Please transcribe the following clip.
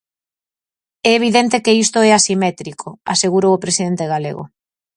É evidente que isto é asimétrico, asegurou o presidente galego.